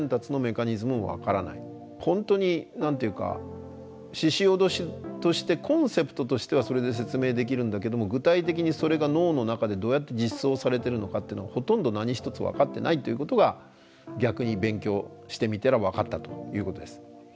本当に何ていうかししおどしとしてコンセプトとしてはそれで説明できるんだけども具体的にそれが脳の中でどうやって実装されてるのかっていうのはほとんど何一つ分かってないっていうことが逆に勉強してみたら分かったということです。